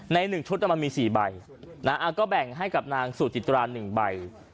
ใน๑ชุดมันมี๔ใบก็แบ่งให้กับนางสุจิตรา๑ใบ